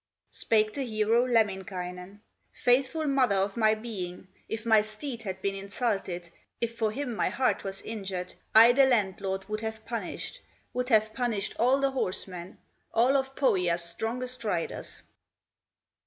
Spake the hero, Lemminkainen: "Faithful mother of my being, If my steed had been insulted, If for him my heart was injured, I the landlord would have punished, Would have punished all the horsemen, All of Pohya's strongest riders."